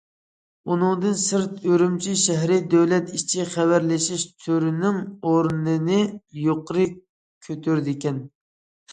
بۇنىڭدىن سىرت، ئۈرۈمچى شەھىرى دۆلەت ئىچى خەۋەرلىشىش تورىنىڭ ئورنىنى يۇقىرى كۆتۈرىدىكەن.